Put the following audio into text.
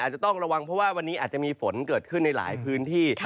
จะต้องระวังเพราะว่าวันนี้อาจจะมีฝนเกิดขึ้นในหลายพื้นที่